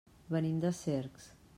Venim de Cercs.